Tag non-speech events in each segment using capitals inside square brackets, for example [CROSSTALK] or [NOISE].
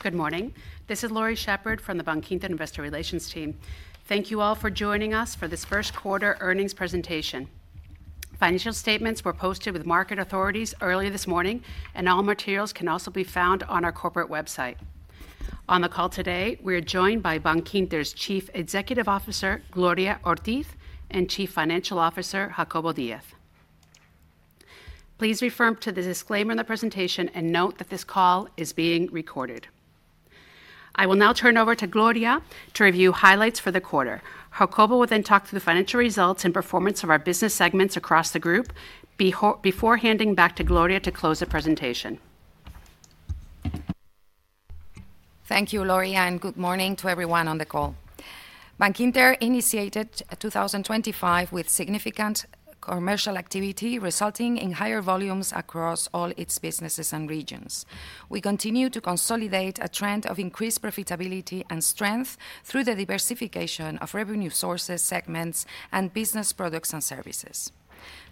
Good morning. This is Laurie Shepard from the Bankinter investor relations team. Thank you all for joining us for this first quarter earnings presentation. Financial statements were posted with market authorities early this morning, and all materials can also be found on our corporate website. On the call today, we are joined by Bankinter's Chief Executive Officer, Gloria Ortiz, and Chief Financial Officer, Jacobo Díaz. Please refer to the disclaimer in the presentation and note that this call is being recorded. I will now turn over to Gloria to review highlights for the quarter. Jacobo will then talk through the financial results and performance of our business segments across the group before handing back to Gloria to close the presentation. Thank you, Laurie, and good morning to everyone on the call. Bankinter initiated 2025 with significant commercial activity, resulting in higher volumes across all its businesses and regions. We continue to consolidate a trend of increased profitability and strength through the diversification of revenue sources, segments, and business products and services.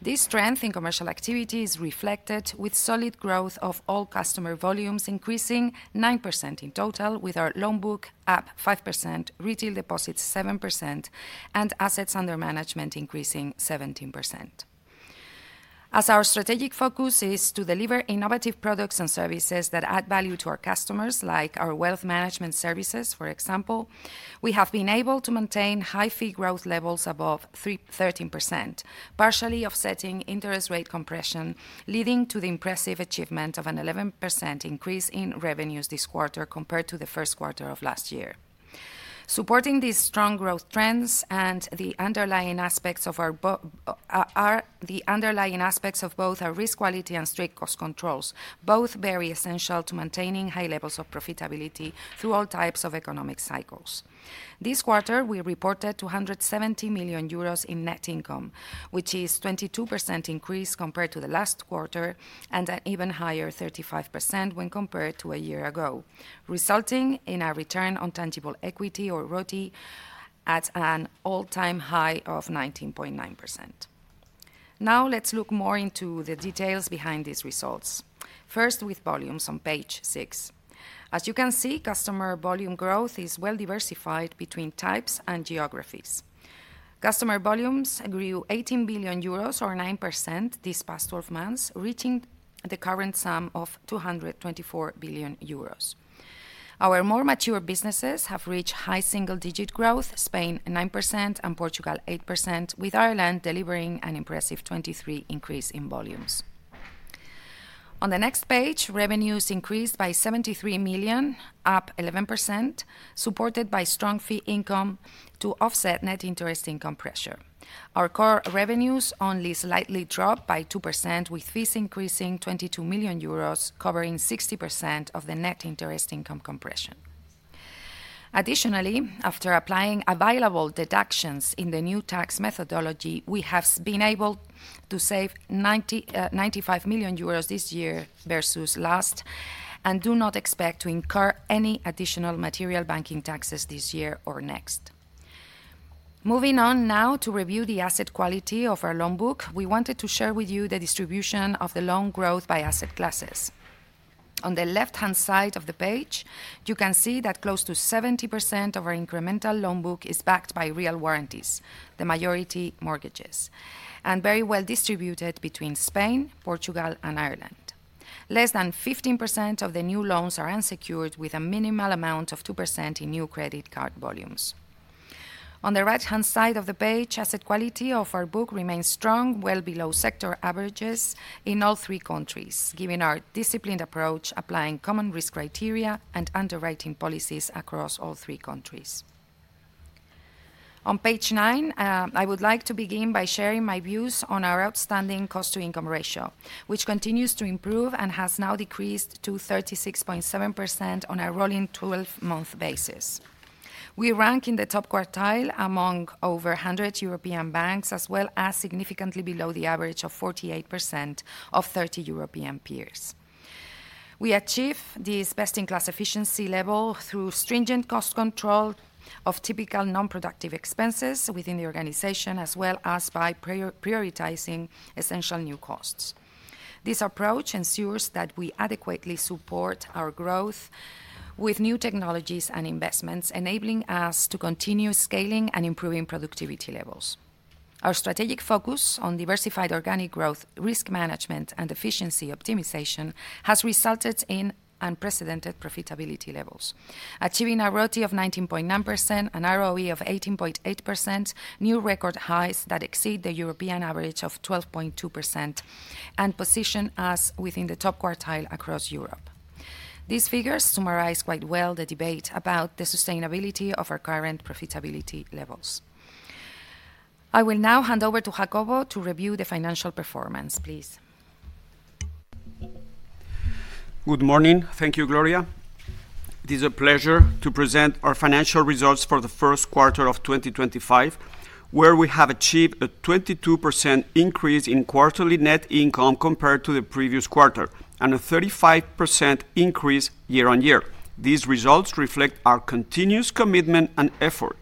This strength in commercial activity is reflected with solid growth of all customer volumes, increasing 9% in total, with our loan book up 5%, retail deposits 7%, and assets under management increasing 17%. As our strategic focus is to deliver innovative products and services that add value to our customers, like our wealth management services, for example, we have been able to maintain high fee growth levels above 13%, partially offsetting interest rate compression, leading to the impressive achievement of an 11% increase in revenues this quarter compared to the first quarter of last year. Supporting these strong growth trends and the underlying aspects of are the underlying aspects of both our risk quality and strict cost controls, both very essential to maintaining high levels of profitability through all types of economic cycles. This quarter, we reported 270 million euros in net income, which is a 22% increase compared to the last quarter and an even higher 35% when compared to a year ago, resulting in our return on tangible equity or ROTE at an all-time high of 19.9%. Now let's look more into the details behind these results. First, with volumes on page six. As you can see, customer volume growth is well diversified between types and geographies. Customer volumes grew 18 billion euros or 9%, this past 12 months, reaching the current sum of 224 billion euros. Our more mature businesses have reached high single-digit growth, Spain 9% and Portugal 8%, with Ireland delivering an impressive 23% increase in volumes. On the next page, revenues increased by 73 million, up 11%, supported by strong fee income to offset net interest income pressure. Our core revenues only slightly dropped by 2%, with fees increasing 22 million euros, covering 60% of the net interest income compression. Additionally, after applying available deductions in the new tax methodology, we have been able to save 95 million euros this year versus last and do not expect to incur any additional material banking taxes this year or next. Moving on now to review the asset quality of our loan book, we wanted to share with you the distribution of the loan growth by asset classes. On the left-hand side of the page, you can see that close to 70% of our incremental loan book is backed by real warranties, the majority mortgages, and very well distributed between Spain, Portugal, and Ireland. Less than 15% of the new loans are unsecured, with a minimal amount of 2% in new credit card volumes. On the right-hand side of the page, asset quality of our book remains strong, well below sector averages in all three countries, given our disciplined approach, applying common risk criteria, and underwriting policies across all three countries. On page nine, I would like to begin by sharing my views on our outstanding cost-to-income ratio, which continues to improve and has now decreased to 36.7% on a rolling 12-month basis. We rank in the top quartile among over 100 European banks, as well as significantly below the average of 48% of 30 European peers. We achieve this best-in-class efficiency level through stringent cost control of typical non-productive expenses within the organization, as well as by prioritizing essential new costs. This approach ensures that we adequately support our growth with new technologies and investments, enabling us to continue scaling and improving productivity levels. Our strategic focus on diversified organic growth, risk management, and efficiency optimization has resulted in unprecedented profitability levels, achieving a ROTE of 19.9%, an ROE of 18.8%, new record highs that exceed the European average of 12.2%, and position us within the top quartile across Europe. These figures summarize quite well the debate about the sustainability of our current profitability levels. I will now hand over to Jacobo to review the financial performance. Please. Good morning. Thank you, Gloria. It is a pleasure to present our financial results for the first quarter of 2025, where we have achieved a 22% increase in quarterly net income compared to the previous quarter and a 35% increase year-on-year. These results reflect our continuous commitment and effort.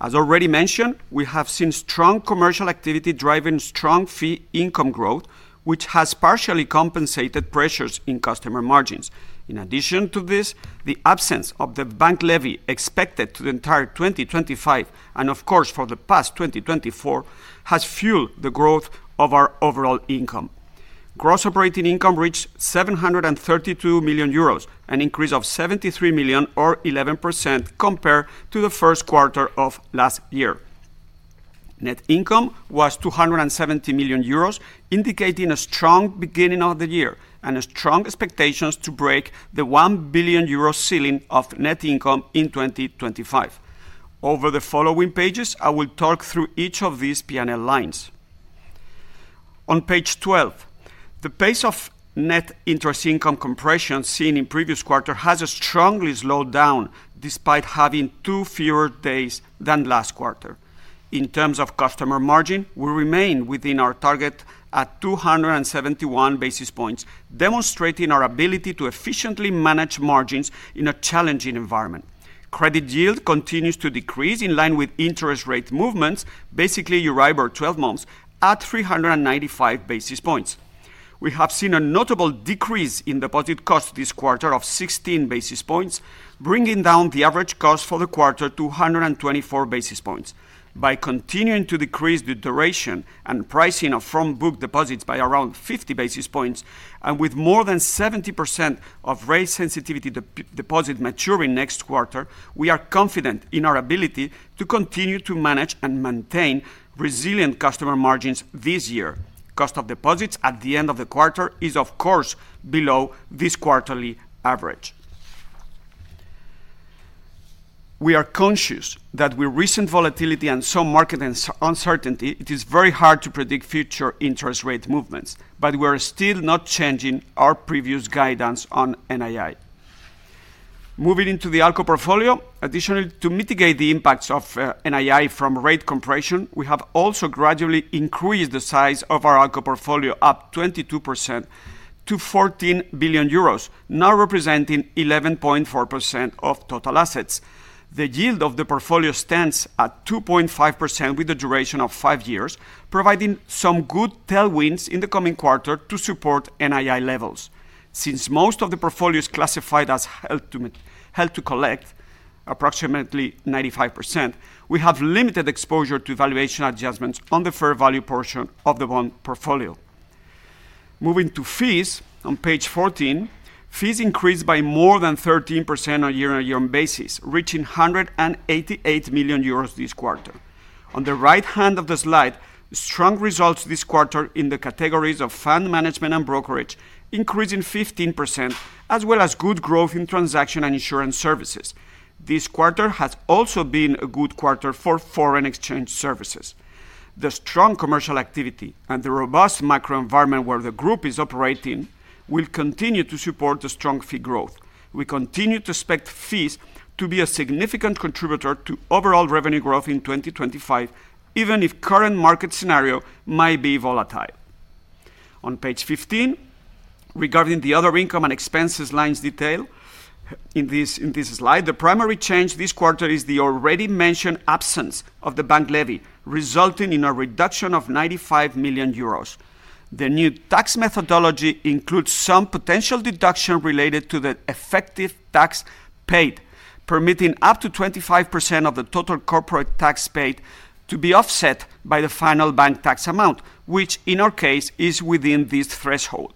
As already mentioned, we have seen strong commercial activity driving strong fee income growth, which has partially compensated pressures in customer margins. In addition to this, the absence of the bank levy expected to the entire 2025, and of course for the past 2024, has fueled the growth of our overall income. Gross operating income reached 732 million euros, an increase of 73 million, or 11%, compared to the first quarter of last year. Net income was 270 million euros, indicating a strong beginning of the year and strong expectations to break the 1 billion euro ceiling of net income in 2025. Over the following pages, I will talk through each of these P&L lines. On page 12, the pace of net interest income compression seen in previous quarter has strongly slowed down despite having two fewer days than last quarter. In terms of customer margin, we remain within our target at 271 basis points, demonstrating our ability to efficiently manage margins in a challenging environment. Credit yield continues to decrease in line with interest rate movements, basically Euribor 12 months, at 395 basis points. We have seen a notable decrease in deposit costs this quarter of 16 basis points, bringing down the average cost for the quarter to 124 basis points. By continuing to decrease the duration and pricing of front-book deposits by around 50 basis points, and with more than 70% of rate sensitivity deposit maturing next quarter, we are confident in our ability to continue to manage and maintain resilient customer margins this year. Cost of deposits at the end of the quarter is, of course, below this quarterly average. We are conscious that with recent volatility and some market uncertainty, it is very hard to predict future interest rate movements, but we are still not changing our previous guidance on NII. Moving into the ALCO portfolio, additionally, to mitigate the impacts of NII from rate compression, we have also gradually increased the size of our ALCO portfolio up 22% to 14 billion euros, now representing 11.4% of total assets. The yield of the portfolio stands at 2.5% with a duration of five years, providing some good tailwinds in the coming quarter to support NII levels. Since most of the portfolio is classified as held to collect, approximately 95%, we have limited exposure to valuation adjustments on the fair value portion of the bond portfolio. Moving to fees, on page 14, fees increased by more than 13% on a year-on-year basis, reaching 188 million euros this quarter. On the right hand of the slide, strong results this quarter in the categories of fund management and brokerage, increasing 15%, as well as good growth in transaction and insurance services. This quarter has also been a good quarter for foreign exchange services. The strong commercial activity and the robust macro environment where the group is operating will continue to support the strong fee growth. We continue to expect fees to be a significant contributor to overall revenue growth in 2025, even if the current market scenario might be volatile. On page 15, regarding the other income and expenses lines detailed in this slide, the primary change this quarter is the already mentioned absence of the bank levy, resulting in a reduction of 95 million euros. The new tax methodology includes some potential deduction related to the effective tax paid, permitting up to 25% of the total corporate tax paid to be offset by the final bank tax amount, which in our case is within this threshold.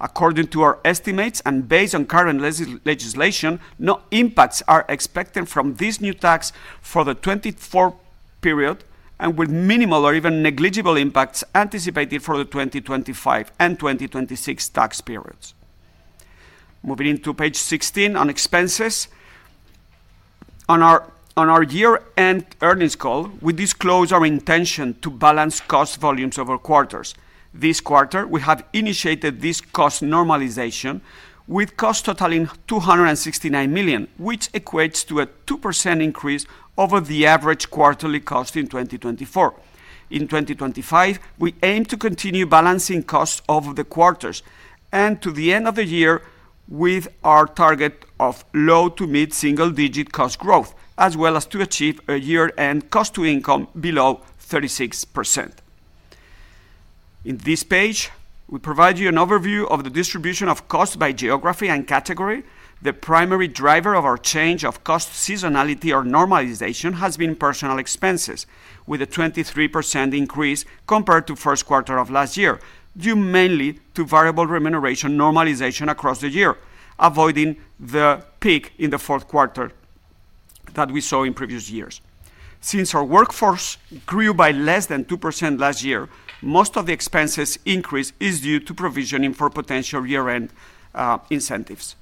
According to our estimates and based on current legislation, no impacts are expected from this new tax for the 2024 period, and with minimal or even negligible impacts anticipated for the 2025 and 2026 tax periods. Moving into page 16 on expenses. On our year-end earnings call, we disclosed our intention to balance cost volumes over quarters. This quarter, we have initiated this cost normalization with cost totaling 269 million, which equates to a 2% increase over the average quarterly cost in 2024. In 2025, we aim to continue balancing costs over the quarters and to the end of the year with our target of low to mid-single-digit cost growth, as well as to achieve a year-end cost-to-income below 36%. In this page, we provide you an overview of the distribution of costs by geography and category. The primary driver of our change of cost seasonality or normalization has been personnel expenses, with a 23% increase compared to the first quarter of last year, due mainly to variable remuneration normalization across the year, avoiding the peak in the fourth quarter that we saw in previous years. Since our workforce grew by less than 2% last year, most of the expenses increase is due to provisioning for potential year-end incentives.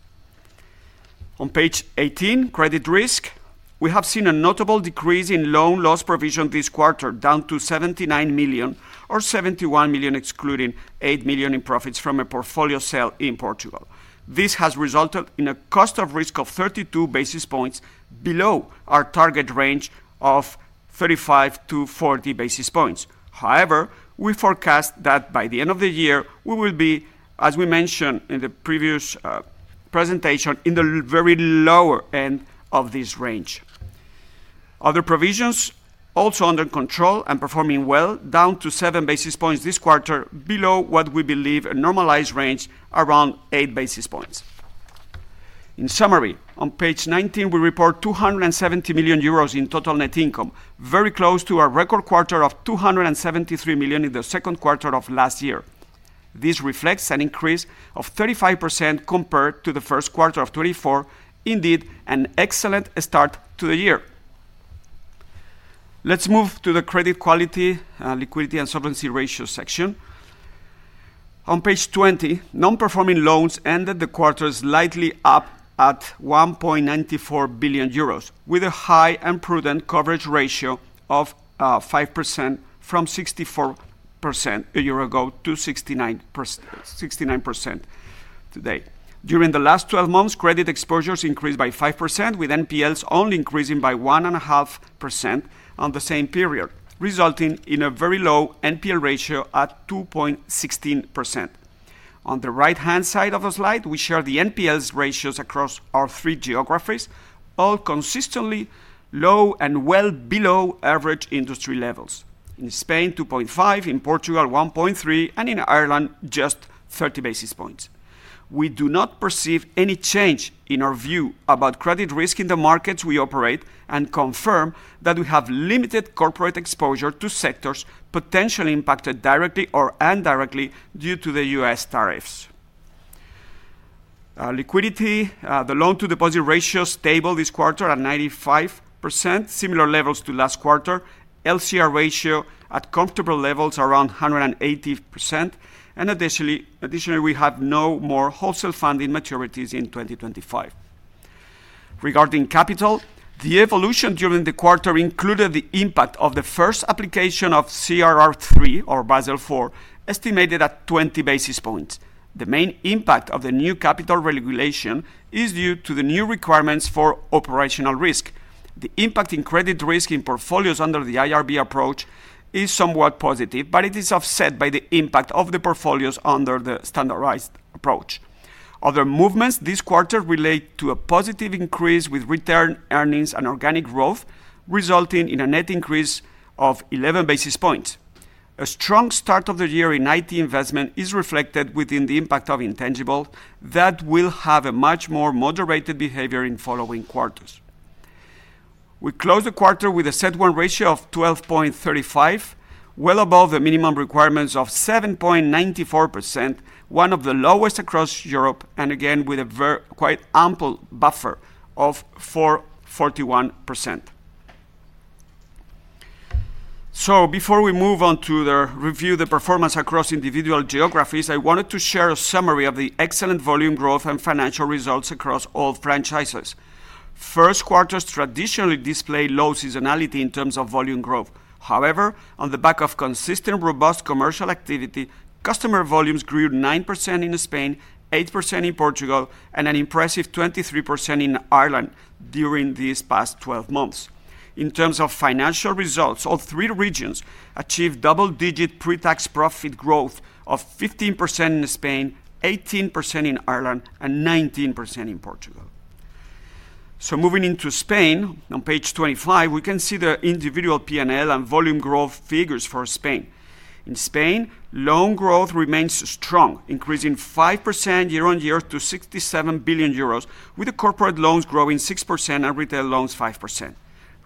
On page 18, credit risk, we have seen a notable decrease in loan loss provision this quarter, down to 79 million, or 71 million excluding 8 million in profits from a portfolio sale in Portugal. This has resulted in a cost of risk of 32 basis points, below our target range of 35-40 basis points. However, we forecast that by the end of the year, we will be, as we mentioned in the previous presentation, in the very lower end of this range. Other provisions, also under control and performing well, down to 7 basis points this quarter, below what we believe a normalized range around 8 basis points. In summary, on page 19, we report 270 million euros in total net income, very close to our record quarter of 273 million in the second quarter of last year. This reflects an increase of 35% compared to the first quarter of 2024, indeed an excellent start to the year. Let's move to the credit quality, liquidity, and solvency ratio section. On page 20, non-performing loans ended the quarter slightly up at 1.94 billion euros, with a high and prudent coverage ratio of 69% from 64% a year ago. During the last 12 months, credit exposures increased by 5%, with NPLs only increasing by 1.5% on the same period, resulting in a very low NPL ratio at 2.16%. On the right-hand side of the slide, we share the NPL ratios across our three geographies, all consistently low and well below average industry levels. In Spain, 2.5%, in Portugal, 1.3%, and in Ireland, just 30 basis points. We do not perceive any change in our view about credit risk in the markets we operate and confirm that we have limited corporate exposure to sectors potentially impacted directly or indirectly due to the U.S. tariffs. Liquidity. The loan-to-deposit ratio stable this quarter at 95%, similar levels to last quarter, LCR ratio at comfortable levels around 180%, and additionally, we have no more wholesale funding maturities in 2025. Regarding capital, the evolution during the quarter included the impact of the first application of CRR3 or Basel IV, estimated at 20 basis points. The main impact of the new capital regulation is due to the new requirements for operational risk. The impact in credit risk in portfolios under the IRB approach is somewhat positive, but it is offset by the impact of the portfolios under the standardized approach. Other movements this quarter relate to a positive increase with retained earnings and organic growth, resulting in a net increase of 11 basis points. A strong start of the year in IT investment is reflected within the impact of intangible that will have a much more moderated behavior in following quarters. We closed the quarter with a CET1 ratio of 12.35%, well above the minimum requirements of 7.94%, one of the lowest across Europe, and again with a quite ample buffer of 4.41%. Before we move on to review the performance across individual geographies, I wanted to share a summary of the excellent volume growth and financial results across all franchises. First quarters traditionally display low seasonality in terms of volume growth. However, on the back of consistent, robust commercial activity, customer volumes grew 9% in Spain, 8% in Portugal, and an impressive 23% in Ireland during these past 12 months. In terms of financial results, all three regions achieved double-digit pre-tax profit growth of 15% in Spain, 18% in Ireland, and 19% in Portugal. Moving into Spain, on page 25, we can see the individual P&L and volume growth figures for Spain. In Spain, loan growth remains strong, increasing 5% year-on-year to 67 billion euros, with corporate loans growing 6% and retail loans 5%.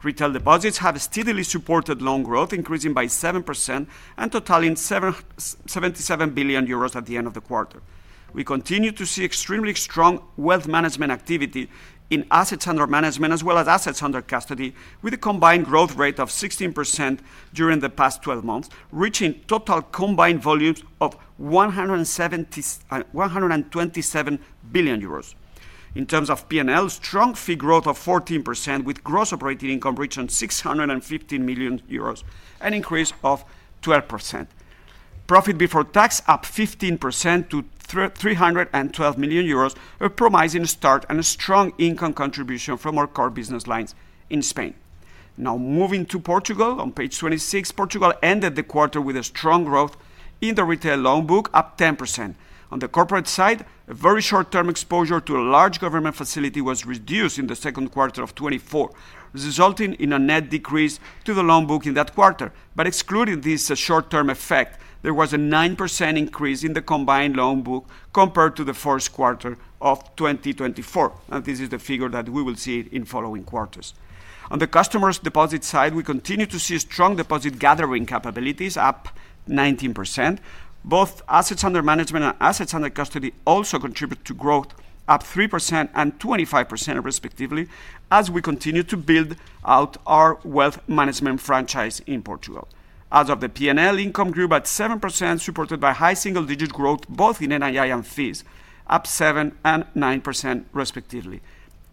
Retail deposits have steadily supported loan growth, increasing by 7% and totaling 77 billion euros at the end of the quarter. We continue to see extremely strong wealth management activity in assets under management as well as assets under custody, with a combined growth rate of 16% during the past 12 months, reaching total combined volumes of 127 billion euros. In terms of P&L, strong fee growth of 14%, with gross operating income reaching 615 million euros, an increase of 12%. Profit before tax up 15% to 312 million euros, a promising start and a strong income contribution from our core business lines in Spain. Now moving to Portugal, on page 26, Portugal ended the quarter with a strong growth in the retail loan book up 10%. On the corporate side, a very short-term exposure to a large government facility was reduced in the second quarter of 2024, resulting in a net decrease to the loan book in that quarter. Excluding this short-term effect, there was a 9% increase in the combined loan book compared to the first quarter of 2024. This is the figure that we will see in following quarters. On the customers' deposit side, we continue to see strong deposit gathering capabilities, up 19%. Both assets under management and assets under custody also contribute to growth, up 3% and 25% respectively, as we continue to build out our Wealth Management franchise in Portugal. Out of the P&L, income grew by 7%, supported by high single-digit growth both in NII and fees, up 7% and 9% respectively.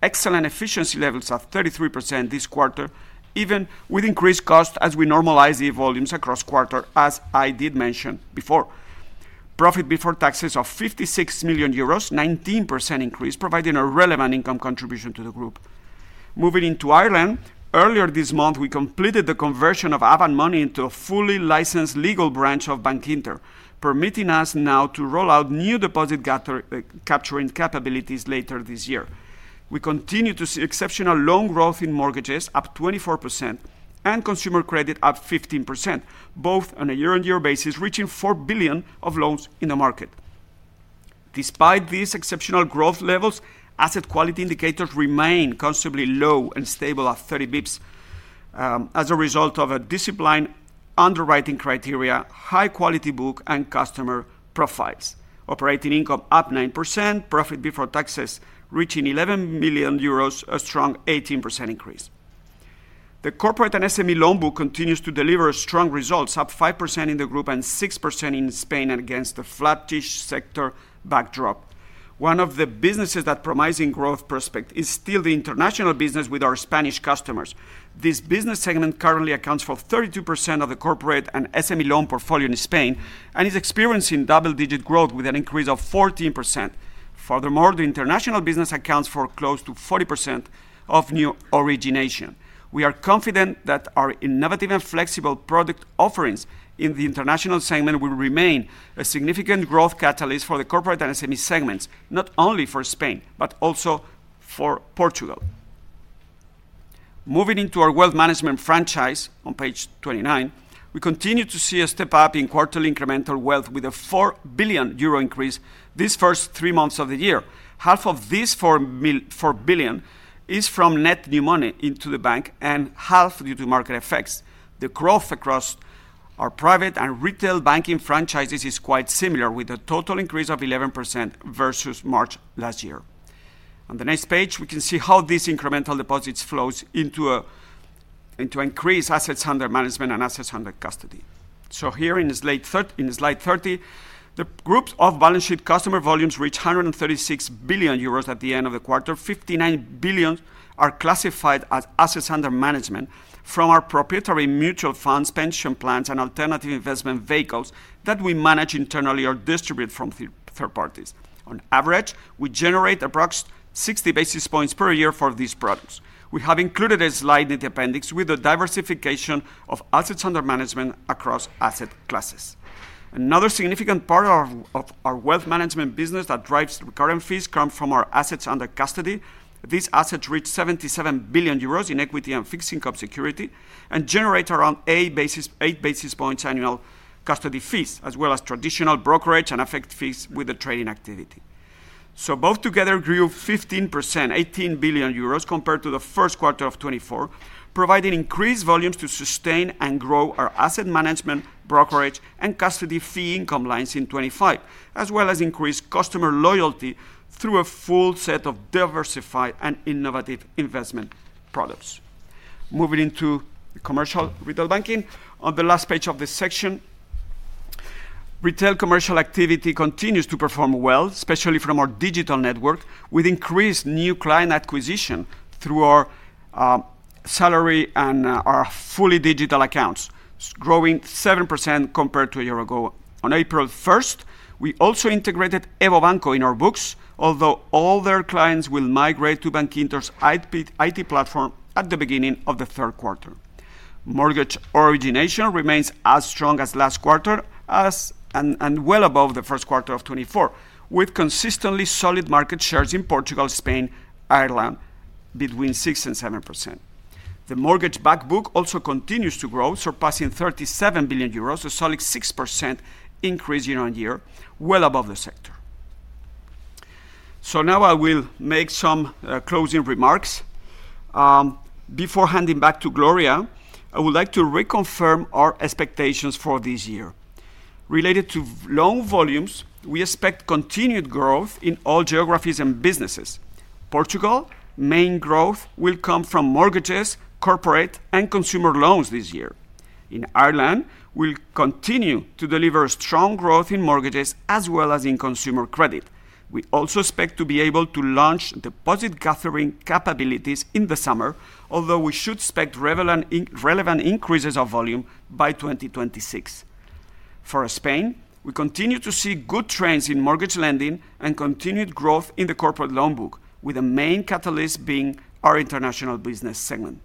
Excellent efficiency levels of 33% this quarter, even with increased costs as we normalize the volumes across quarter, as I did mention before. Profit before taxes of 56 million euros, 19% increase, providing a relevant income contribution to the group. Moving into Ireland, earlier this month, we completed the conversion of Avant Money into a fully licensed legal branch of Bankinter, permitting us now to roll out new deposit-capturing capabilities later this year. We continue to see exceptional loan growth in mortgages, up 24%, and consumer credit, up 15%, both on a year-on-year basis, reaching 4 billion of loans in the market. Despite these exceptional growth levels, asset quality indicators remain considerably low and stable at 30 basis points as a result of a disciplined underwriting criteria, high-quality book, and customer profiles. Operating income up 9%, profit before taxes reaching 11 million euros, a strong 18% increase. The Corporate & SME loan book continues to deliver strong results, up 5% in the group and 6% in Spain against the flattish sector backdrop. One of the businesses that promises growth prospects is still the international business with our Spanish customers. This business segment currently accounts for 32% of the Corporate & SME loan portfolio in Spain and is experiencing double-digit growth with an increase of 14%. Furthermore, the international business accounts for close to 40% of new origination. We are confident that our innovative and flexible product offerings in the international segment will remain a significant growth catalyst for the Corporate & SME segments, not only for Spain, but also for Portugal. Moving into our Wealth Management franchise, on page 29, we continue to see a step up in quarterly incremental wealth with a 4 billion euro increase these first three months of the year. Half of this 4 billion is from net new money into the bank and half due to market effects. The growth across our Private and Retail Banking franchises is quite similar, with a total increase of 11% versus March last year. On the next page, we can see how these incremental deposits flow into an increase in assets under management and assets under custody. Here in slide 30, the group's off-balance-sheet customer volumes reached 136 billion euros at the end of the quarter. 59 billion are classified as assets under management from our proprietary mutual funds, pension plans, and alternative investment vehicles that we manage internally or distribute from third parties. On average, we generate approximately 60 basis points per year for these products. We have included a slide in the appendix with the diversification of assets under management across asset classes. Another significant part of our Wealth Management business that drives recurring fees comes from our assets under custody. These assets reach 77 billion euros in equity and fixed income security and generate around 8 basis points annual custody fees, as well as traditional brokerage and effect fees with the trading activity. Both together grew 15%, 18 billion euros, compared to the first quarter of 2024, providing increased volumes to sustain and grow our asset management, brokerage, and custody fee income lines in 2025, as well as increased customer loyalty through a full set of diversified and innovative investment products. Moving into commercial retail banking on the last page of this section, retail commercial activity continues to perform well, especially from our digital network, with increased new client acquisition through our salary and our fully digital accounts, growing 7% compared to a year ago. On April 1st, we also integrated EVO Banco in our books, although all their clients will migrate to Bankinter's IT platform at the beginning of the third quarter. Mortgage origination remains as strong as last quarter and well above the first quarter of 2024, with consistently solid market shares in Portugal, Spain, and Ireland, between 6% and 7%. The mortgage back book also continues to grow, surpassing 37 billion euros, a solid 6% increase year-on-year, well above the sector. Now I will make some closing remarks. Before handing back to Gloria, I would like to reconfirm our expectations for this year. Related to loan volumes, we expect continued growth in all geographies and businesses. In Portugal, main growth will come from mortgages, corporate, and consumer loans this year. In Ireland, we will continue to deliver strong growth in mortgages as well as in consumer credit. We also expect to be able to launch deposit gathering capabilities in the summer, although we should expect relevant increases of volume by 2026. For Spain, we continue to see good trends in mortgage lending and continued growth in the corporate loan book, with the main catalyst being our international business segment.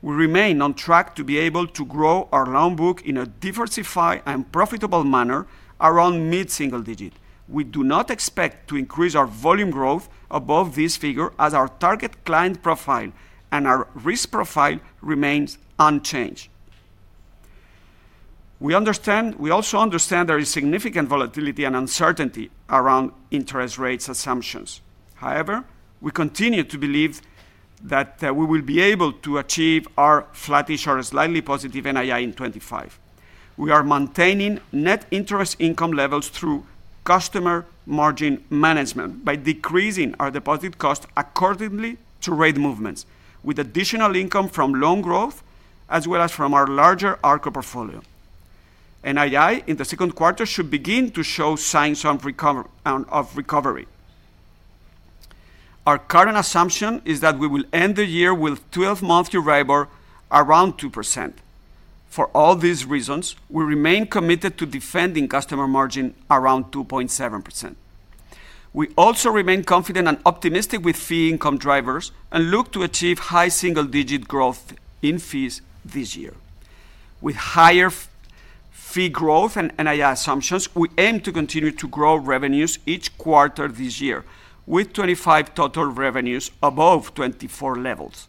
We remain on track to be able to grow our loan book in a diversified and profitable manner around mid-single digit. We do not expect to increase our volume growth above this figure as our target client profile and our risk profile remains unchanged. We also understand there is significant volatility and uncertainty around interest rate assumptions. However, we continue to believe that we will be able to achieve our flattish or slightly positive NII in 2025. We are maintaining net interest income levels through customer margin management by decreasing our deposit cost accordingly to rate movements, with additional income from loan growth as well as from our larger ALCO portfolio. NII in the second quarter should begin to show signs of recovery. Our current assumption is that we will end the year with 12-month Euribor around 2%. For all these reasons, we remain committed to defending customer margin around 2.7%. We also remain confident and optimistic with fee income drivers and look to achieve high single-digit growth in fees this year. With higher fee growth and NII assumptions, we aim to continue to grow revenues each quarter this year, with 2025 total revenues above 2024 levels.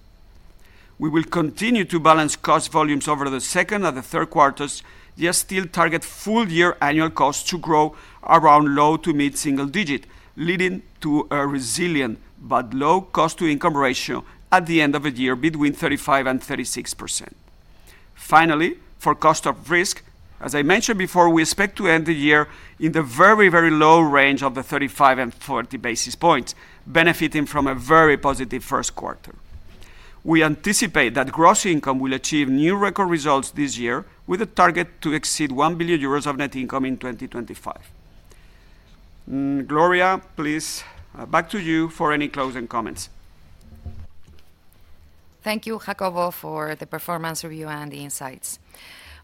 We will continue to balance cost volumes over the second and the third quarters, yet still target full year annual costs to grow around low to mid-single digit, leading to a resilient but low cost-to-income ratio at the end of the year between 35% and 36%. Finally, for cost of risk, as I mentioned before, we expect to end the year in the very, very low range of the 35 and 40 basis points, benefiting from a very positive first quarter. We anticipate that gross income will achieve new record results this year, with a target to exceed 1 billion euros of net income in 2025. Gloria, please, back to you for any closing comments. Thank you, Jacobo, for the performance review and the insights.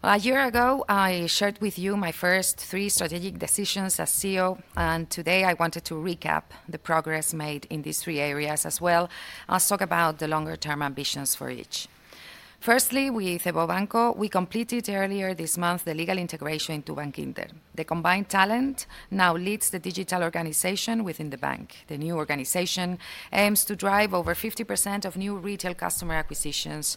A year ago, I shared with you my first three strategic decisions as CEO, and today I wanted to recap the progress made in these three areas as well as talk about the longer-term ambitions for each. Firstly, with EVO Banco, we completed earlier this month the legal integration into Bankinter. The combined talent now leads the digital organization within the bank. The new organization aims to drive over 50% of new retail customer acquisitions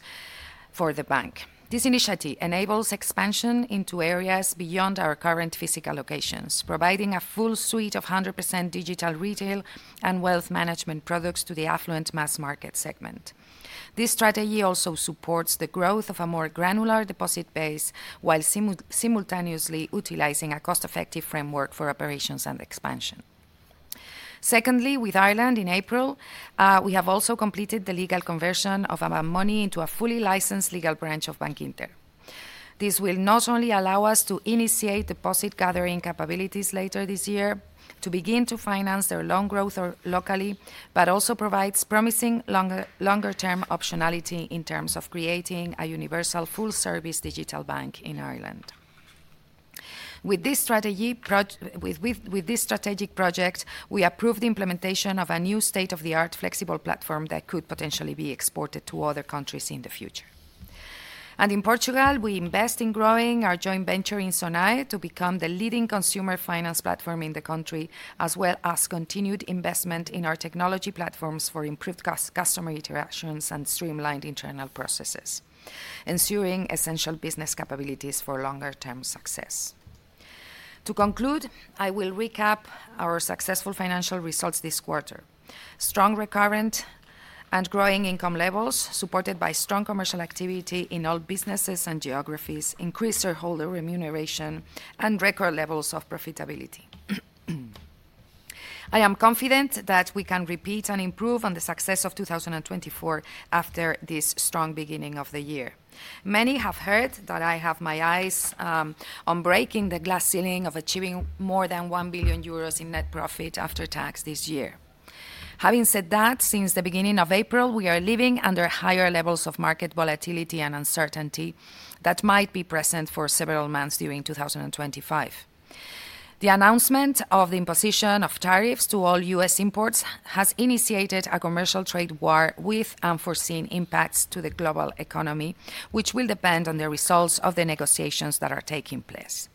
for the bank. This initiative enables expansion into areas beyond our current physical locations, providing a full suite of 100% digital retail and wealth management products to the affluent mass market segment. This strategy also supports the growth of a more granular deposit base while simultaneously utilizing a cost-effective framework for operations and expansion. Secondly, with Ireland, in April, we have also completed the legal conversion of Avant Money into a fully licensed legal branch of Bankinter. This will not only allow us to initiate deposit-gathering capabilities later this year to begin to finance their loan growth locally, but also provides promising longer-term optionality in terms of creating a universal full-service digital bank in Ireland. With this strategy, with this strategic project, we approved the implementation of a new state-of-the-art flexible platform that could potentially be exported to other countries in the future. In Portugal, we invest in growing our joint venture in Sonae to become the leading consumer finance platform in the country, as well as continued investment in our technology platforms for improved customer interactions and streamlined internal processes, ensuring essential business capabilities for longer-term success. To conclude, I will recap our successful financial results this quarter. Strong recurrent and growing income levels, supported by strong commercial activity in all businesses and geographies, increased shareholder remuneration and record levels of profitability. I am confident that we can repeat and improve on the success of 2024 after this strong beginning of the year. Many have heard that I have my eyes on breaking the glass ceiling of achieving more than 1 billion euros in net profit after tax this year. Having said that, since the beginning of April, we are living under higher levels of market volatility and uncertainty that might be present for several months during 2025. The announcement of the imposition of tariffs to all U.S. imports has initiated a commercial trade war with unforeseen impacts to the global economy, which will depend on the results of the negotiations that are taking place.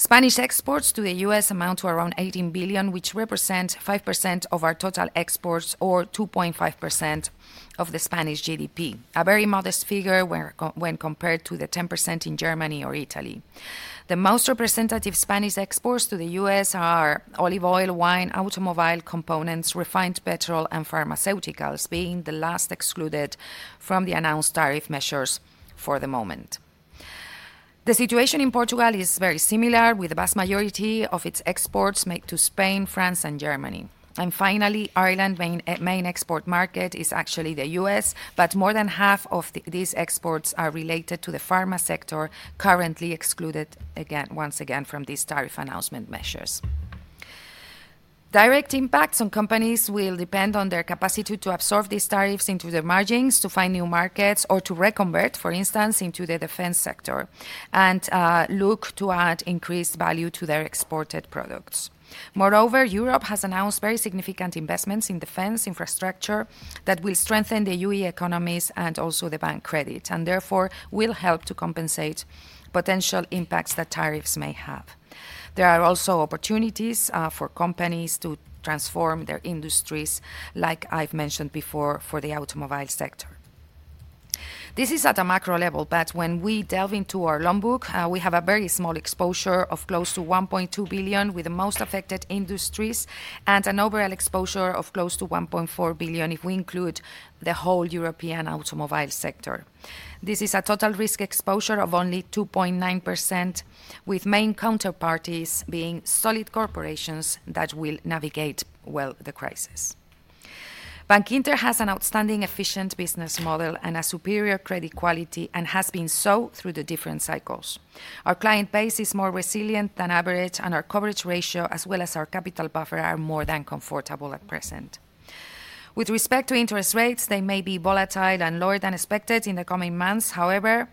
Spanish exports to the U.S. amount to around 18 billion, which represents 5% of our total exports or 2.5% of the Spanish GDP, a very modest figure when compared to the 10% in Germany or Italy. The most representative Spanish exports to the U.S. are olive oil, wine, automobile components, refined petrol, and pharmaceuticals, being the last excluded from the announced tariff measures for the moment. The situation in Portugal is very similar, with the vast majority of its exports made to Spain, France, and Germany. Finally, Ireland's main export market is actually the U.S., but more than half of these exports are related to the pharma sector, currently excluded once again from these tariff announcement measures. Direct impacts on companies will depend on their capacity to absorb these tariffs into their margins to find new markets or to reconvert, for instance, into the defense sector and look to add increased value to their exported products. Moreover, Europe has announced very significant investments in defense infrastructure that will strengthen the U.E. economies and also the bank credit, and therefore will help to compensate potential impacts that tariffs may have. There are also opportunities for companies to transform their industries, like I've mentioned before, for the automobile sector. This is at a macro level, but when we delve into our loan book, we have a very small exposure of close to 1.2 billion with the most affected industries and an overall exposure of close to 1.4 billion if we include the whole European automobile sector. This is a total risk exposure of only 2.9%, with main counterparties being solid corporations that will navigate well the crisis. Bankinter has an outstanding, efficient business model and a superior credit quality and has been so through the different cycles. Our client base is more resilient than average, and our coverage ratio, as well as our capital buffer, are more than comfortable at present. With respect to interest rates, they may be volatile and lower than expected in the coming months. However,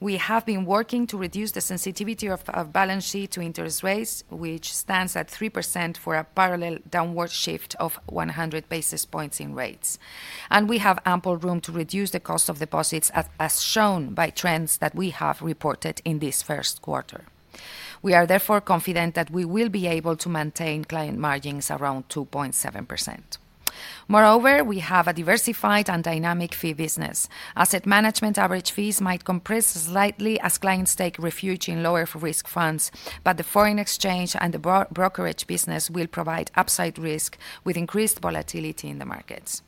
we have been working to reduce the sensitivity of balance sheet to interest rates, which stands at 3% for a parallel downward shift of 100 basis points in rates. We have ample room to reduce the cost of deposits, as shown by trends that we have reported in this first quarter. We are therefore confident that we will be able to maintain client margins around 2.7%. Moreover, we have a diversified and dynamic fee business. Asset management average fees might compress slightly as clients take refuge in lower-risk funds, but the foreign exchange and the Brokerage business will provide upside risk with increased volatility in the markets.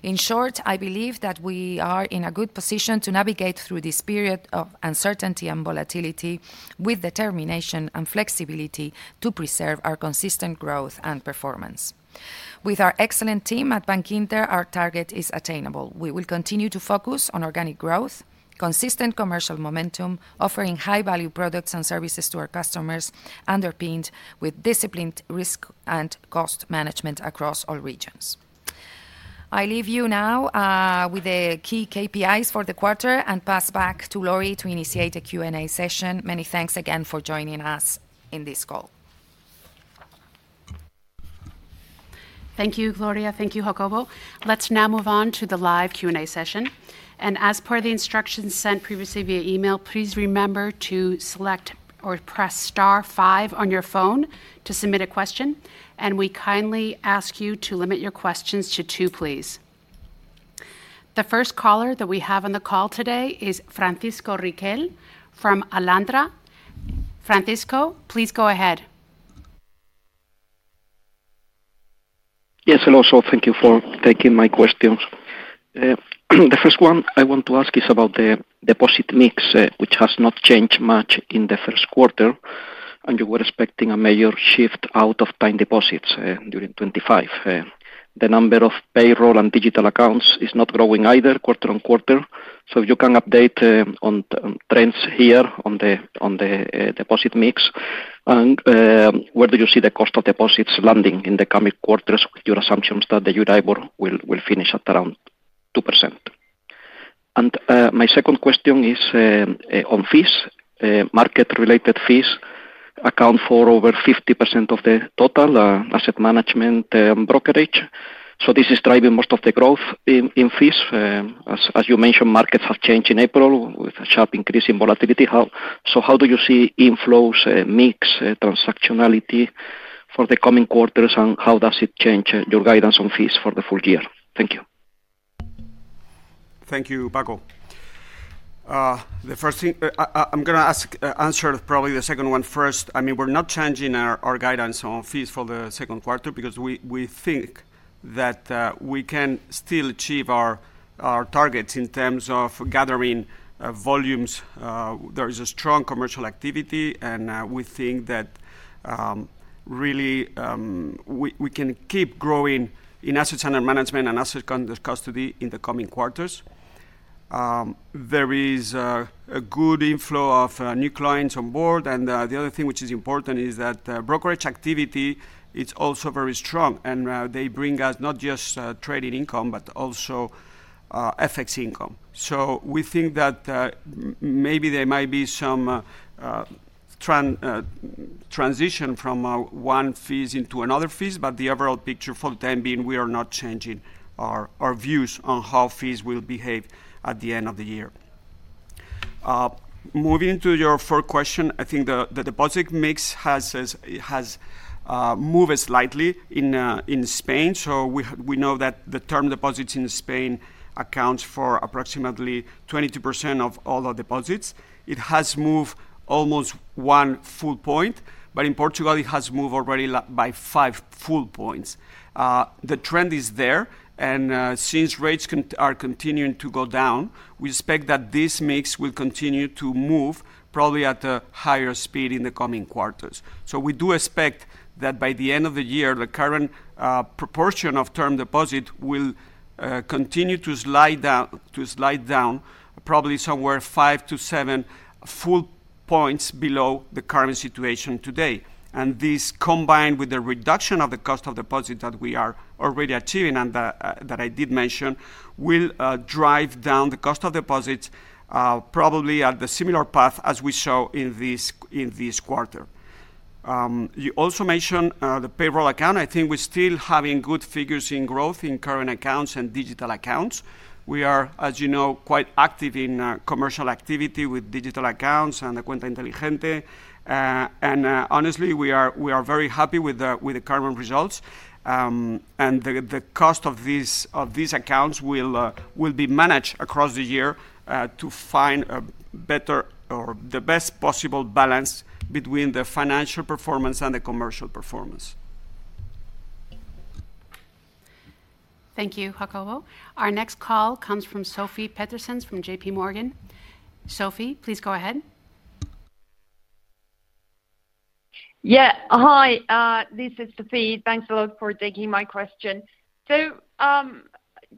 In short, I believe that we are in a good position to navigate through this period of uncertainty and volatility with determination and flexibility to preserve our consistent growth and performance. With our excellent team at Bankinter, our target is attainable. We will continue to focus on organic growth, consistent commercial momentum, offering high-value products and services to our customers, underpinned with disciplined risk and cost management across all regions. I leave you now with the key KPIs for the quarter and pass back to Laurie to initiate a Q&A session. Many thanks again for joining us in this call. Thank you, Gloria. Thank you, Jacobo. Let's now move on to the live Q&A session. As per the instructions sent previously via email, please remember to select or press star five on your phone to submit a question. We kindly ask you to limit your questions to two, please. The first caller that we have on the call today is Francisco Riquel from Alantra. Francisco, please go ahead. Yes, hello. Thank you for taking my questions. The first one I want to ask is about the deposit mix, which has not changed much in the first quarter, and you were expecting a major shift out of time deposits during 2025. The number of payroll and digital accounts is not growing either quarter-on-quarter. If you can update on trends here on the deposit mix. And where do you see the cost of deposits landing in the coming quarters with your assumptions that the Euribor will finish at around 2%? My second question is on fees. Market-related fees account for over 50% of the total asset management and brokerage. This is driving most of the growth in fees. As you mentioned, markets have changed in April with a sharp increase in volatility. How do you see inflows mix transactionality for the coming quarters, and how does it change your guidance on fees for the full year? Thank you. Thank you, Paco. The first thing, I'm going to answer probably the second one first. I mean, we're not changing our guidance on fees for the second quarter because we think that we can still achieve our targets in terms of gathering volumes. There is a strong commercial activity, and we think that really we can keep growing in assets under management and assets under custody in the coming quarters. There is a good inflow of new clients on board. The other thing which is important is that brokerage activity is also very strong, and they bring us not just trading income but also FX income. We think that maybe there might be some transition from one fees into another fees, but the overall picture for the time being, we are not changing our views on how fees will behave at the end of the year. Moving to your fourth question, I think the deposit mix has moved slightly in Spain. We know that the term deposits in Spain account for approximately 22% of all the deposits. It has moved almost 1 full point, but in Portugal, it has moved already by 5 full points. The trend is there. Since rates are continuing to go down, we expect that this mix will continue to move probably at a higher speed in the coming quarters. We do expect that by the end of the year, the current proportion of term deposit will continue to slide down probably somewhere 5 to 7 full points below the current situation today. This combined with the reduction of the cost of deposit that we are already achieving and that I did mention will drive down the cost of deposits probably at the similar path as we saw in this quarter. You also mentioned the payroll account. I think we're still having good figures in growth in current accounts and digital accounts. We are, as you know, quite active in commercial activity with digital accounts and the Cuenta Inteligente. Honestly, we are very happy with the current results. The cost of these accounts will be managed across the year to find a better or the best possible balance between the financial performance and the commercial performance. Thank you, Jacobo. Our next call comes from Sofie Peterzens from JPMorgan. Sophie, please go ahead. Yeah. Hi. This is Sofie. Thanks a lot for taking my question.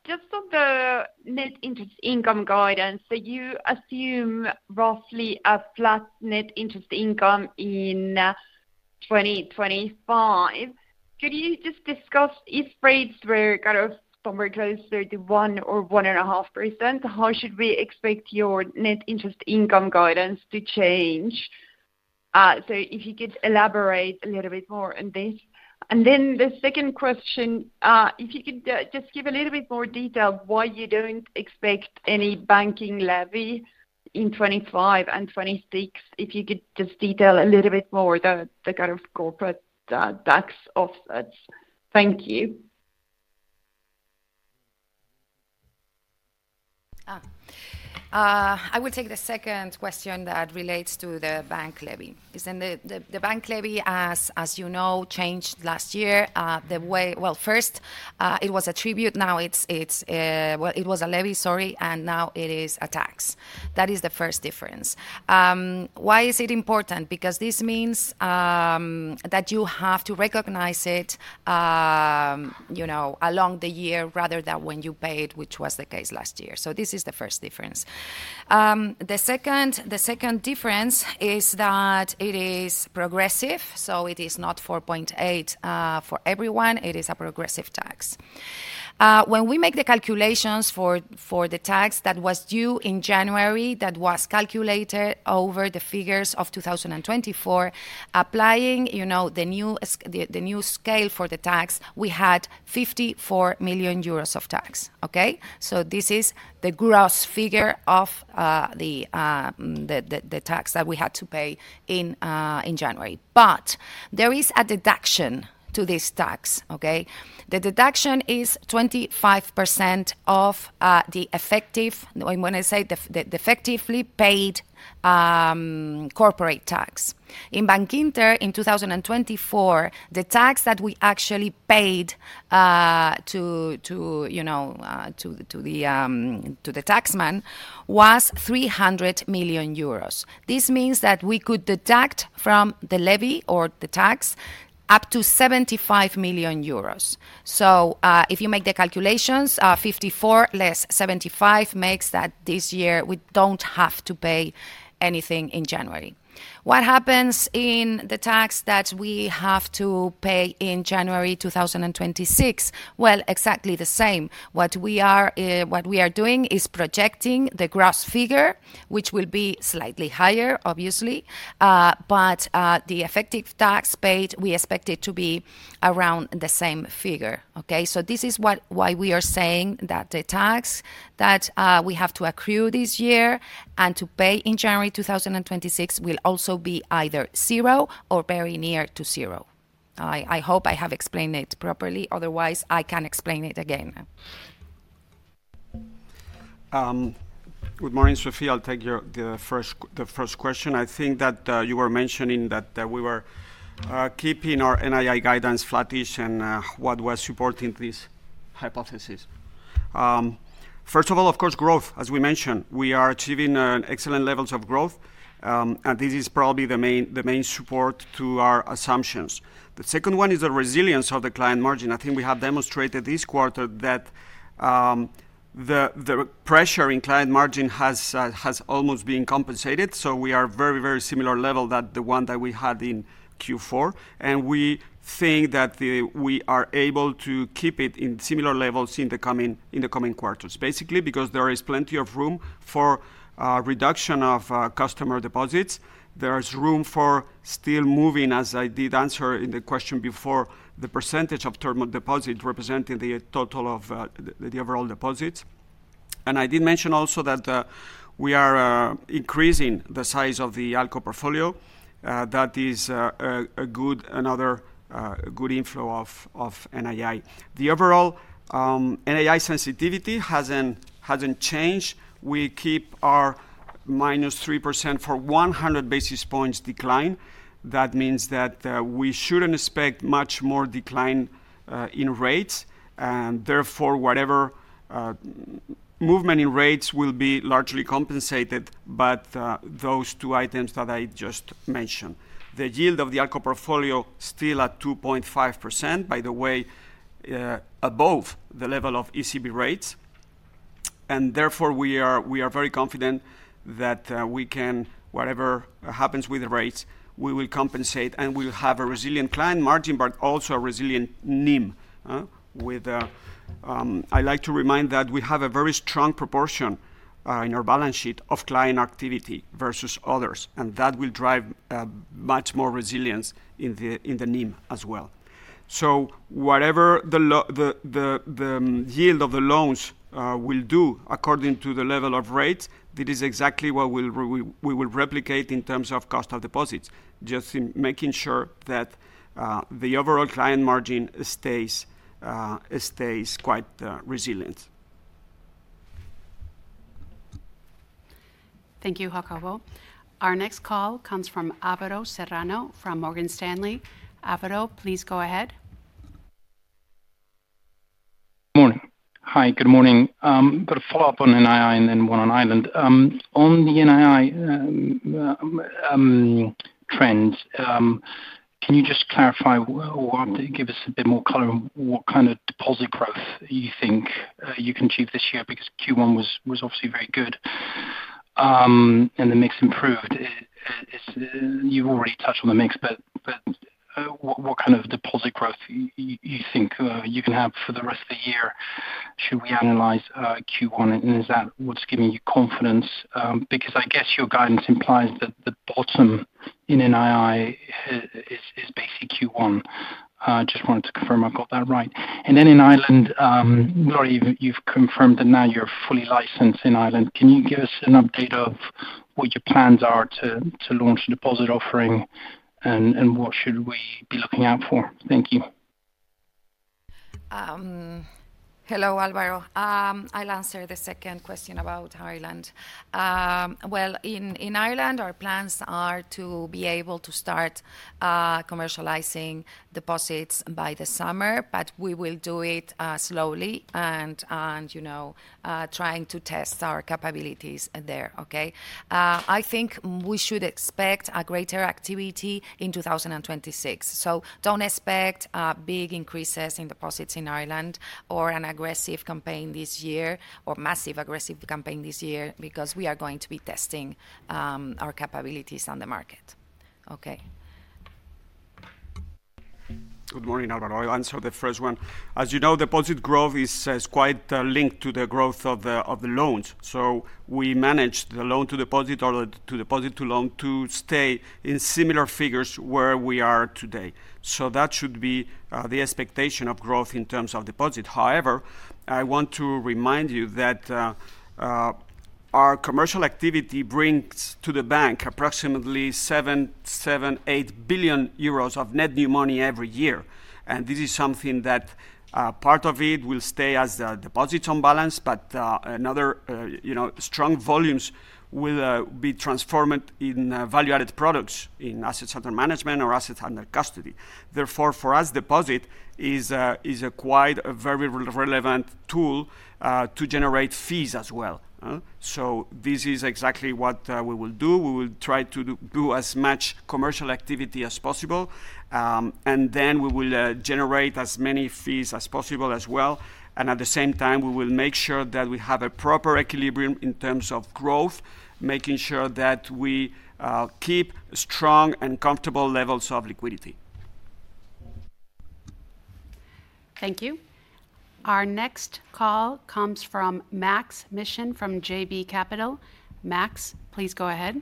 Just on the net interest income guidance, you assume roughly a flat net interest income in 2025. Could you just discuss if rates were kind of somewhere closer to 1% or 1.5%? How should we expect your net interest income guidance to change? If you could elaborate a little bit more on this. The second question, if you could just give a little bit more detail why you do not expect any banking levy in 2025 and 2026, if you could just detail a little bit more the kind of corporate tax offsets. Thank you. I will take the second question that relates to the bank levy. The bank levy, as you know, changed last year. First, it was a tribute. Now it was a levy, sorry, and now it is a tax. That is the first difference. Why is it important? Because this means that you have to recognize it along the year rather than when you paid, which was the case last year. This is the first difference. The second difference is that it is progressive. It is not 4.8% for everyone. It is a progressive tax. When we make the calculations for the tax that was due in January that was calculated over the figures of 2024, applying the new scale for the tax, we had 54 million euros of tax. Okay? This is the gross figure of the tax that we had to pay in January. There is a deduction to this tax. Okay? The deduction is 25% of the effective, I want to say, the effectively paid corporate tax. In Bankinter, in 2024, the tax that we actually paid to the taxman was 300 million euros. This means that we could deduct from the levy or the tax up to 75 million euros. If you make the calculations, 54 million less 75 million makes that this year we do not have to pay anything in January. What happens in the tax that we have to pay in January 2026? Exactly the same. What we are doing is projecting the gross figure, which will be slightly higher, obviously, but the effective tax paid, we expect it to be around the same figure. Okay? This is why we are saying that the tax that we have to accrue this year and to pay in January 2026 will also be either zero or very near to zero. I hope I have explained it properly. Otherwise, I can explain it again. Good morning, Sofie. I'll take the first question. I think that you were mentioning that we were keeping our NII guidance flattish and what was supporting this hypothesis. First of all, of course, growth. As we mentioned, we are achieving excellent levels of growth, and this is probably the main support to our assumptions. The second one is the resilience of the client margin. I think we have demonstrated this quarter that the pressure in client margin has almost been compensated. We are very, very similar level the one that we had in Q4. We think that we are able to keep it in similar levels in the coming quarters, basically, because there is plenty of room for reduction of customer deposits. There is room for still moving, as I did answer in the question before, the percentage of term deposit representing the total of the overall deposits. I did mention also that we are increasing the size of the ALCO portfolio. That is another good inflow of NII. The overall NII sensitivity has not changed. We keep our -3% for 100 basis points decline. That means that we should not expect much more decline in rates. Therefore, whatever movement in rates will be largely compensated by those two items that I just mentioned. The yield of the ALCO portfolio, still at 2.5%, by the way, above the level of ECB rates. Therefore, we are very confident that whatever happens with rates, we will compensate and we will have a resilient client margin, but also a resilient NIM. I'd like to remind that we have a very strong proportion in our balance sheet of client activity versus others. That will drive much more resilience in the NIM as well. Whatever the yield of the loans will do according to the level of rates, that is exactly what we will replicate in terms of cost of deposits, just making sure that the overall client margin stays quite resilient. Thank you, Jacobo. Our next call comes from Alvaro Serrano from Morgan Stanley. Alvaro, please go ahead. Good morning. Hi. Good morning. A bit of follow-up on NII and then one on Ireland. On the NII trends, can you just clarify or give us a bit more color on what kind of deposit growth you think you can achieve this year because Q1 was obviously very good and the mix improved? You've already touched on the mix, but what kind of deposit growth you think you can have for the rest of the year should we analyze Q1? Is that what's giving you confidence? I guess your guidance implies that the bottom in NII is basically Q1. I just wanted to confirm I got that right. In Ireland, Laurie, you've confirmed that now you're fully licensed in Ireland. Can you give us an update of what your plans are to launch a deposit offering and what should we be looking out for? Thank you. Hello, Alvaro. I'll answer the second question about Ireland. In Ireland, our plans are to be able to start commercializing deposits by the summer, but we will do it slowly and trying to test our capabilities there. I think we should expect greater activity in 2026. Do not expect big increases in deposits in Ireland or an aggressive campaign this year or massive aggressive campaign this year because we are going to be testing our capabilities on the market. Good morning, Alvaro. I'll answer the first one. As you know, deposit growth is quite linked to the growth of the loans. We managed the loan-to-deposit or the deposit-to-loan to stay in similar figures where we are today. That should be the expectation of growth in terms of deposit. However, I want to remind you that our commercial activity brings to the bank approximately 7 billion euros, 7 billion, 8 billion euros of net new money every year. This is something that part of it will stay as deposits on balance, but strong volumes will be transformed in value-added products in assets under management or assets under custody. Therefore, for us, deposit is quite a very relevant tool to generate fees as well. This is exactly what we will do. We will try to do as much commercial activity as possible. We will generate as many fees as possible as well. At the same time, we will make sure that we have a proper equilibrium in terms of growth, making sure that we keep strong and comfortable levels of liquidity. Thank you. Our next call comes from Maks Mishyn from JB Capital. Max, please go ahead.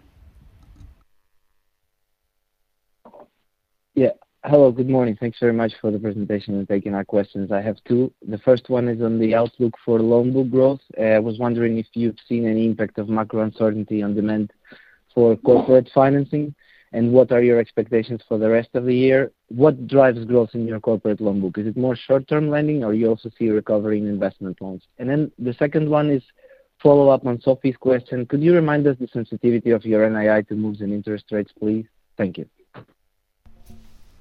Yeah. Hello. Good morning. Thanks very much for the presentation and taking our questions. I have two. The first one is on the outlook for loan book growth. I was wondering if you've seen any impact of macro uncertainty on demand for corporate financing. And what are your expectations for the rest of the year? What drives growth in your corporate loan book? Is it more short-term lending, or you also see recovery in investment loans? The second one is follow-up on Sofie's question. Could you remind us the sensitivity of your NII to moves in interest rates, please? Thank you.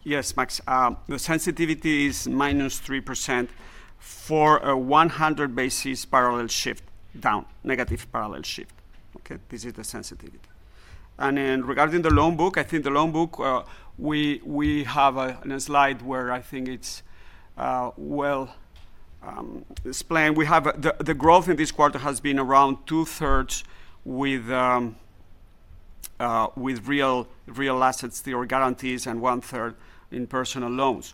Yes, Maks. The sensitivity is -3% for a 100 basis points parallel shift down, negative parallel shift. Okay? This is the sensitivity. Regarding the loan book, I think the loan book, we have a slide where I think it's well explained. The growth in this quarter has been around 2/3 with real assets or guarantees and 1/3 in personal loans.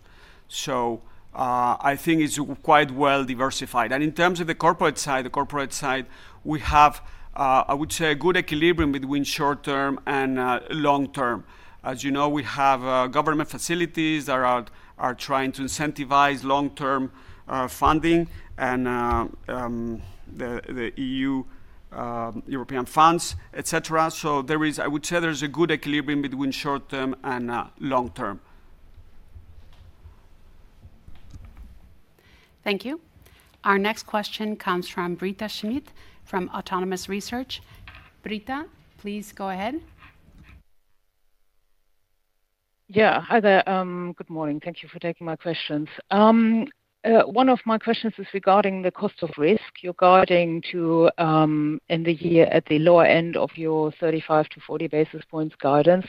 I think it's quite well diversified. In terms of the corporate side, the corporate side, I would say, a good equilibrium between short term and long term. As you know, we have government facilities that are trying to incentivize long-term funding and the EU, European funds, etc. I would say there's a good equilibrium between short term and long term. Thank you. Our next question comes from Britta Schmidt from Autonomous Research. Britta, please go ahead. Yeah. Hi, there. Good morning. Thank you for taking my questions. One of my questions is regarding the cost of risk. You're guiding to end the year at the lower end of your 35-40 basis points guidance.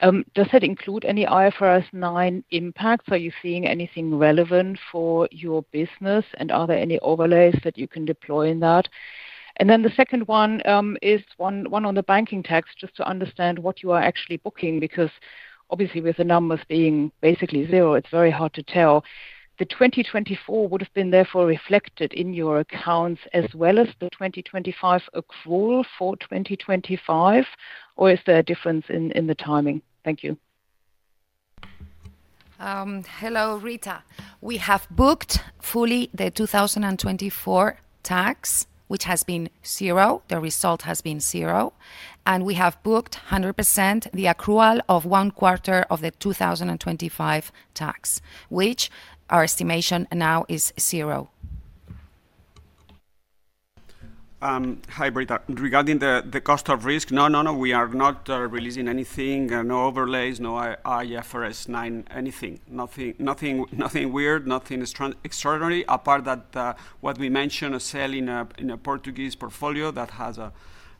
Does that include any IFRS 9 impacts? Are you seeing anything relevant for your business? Are there any overlays that you can deploy in that? The second one is one on the banking tax, just to understand what you are actually booking, because obviously, with the numbers being basically zero, it's very hard to tell. The 2024 would have been therefore reflected in your accounts as well as the 2025 accrual for 2025. Is there a difference in the timing? Thank you. Hello, Britta. We have booked fully the 2024 tax, which has been zero. The result has been zero. We have booked 100% the accrual of one quarter of the 2025 tax, which our estimation now is zero. Hi, Britta. Regarding the cost of risk, no, no, no, we are not releasing anything, no overlays, no IFRS 9, anything, nothing weird, nothing extraordinary, apart from what we mentioned, a sale in a Portuguese portfolio that has